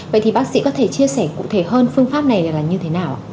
vậy thì bác sĩ có thể chia sẻ cụ thể hơn phương pháp này là như thế nào ạ